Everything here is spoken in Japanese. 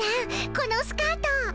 このスカート。